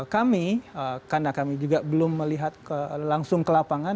kami karena kami juga belum melihat langsung ke lapangan